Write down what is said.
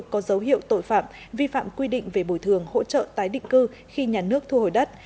có dấu hiệu tội phạm vi phạm quy định về bồi thường hỗ trợ tái định cư khi nhà nước thu hồi đất